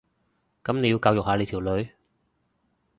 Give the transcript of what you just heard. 噉你要教育下你條女